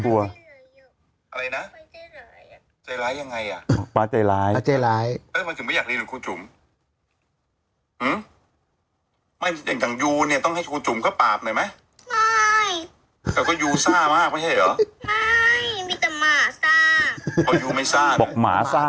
แต่ก็อยู่ซ่ามากไม่ใช่เหรอไม่มีแต่หมาซ่าเพราะอยู่ไม่ซ่าบอกหมาซ่า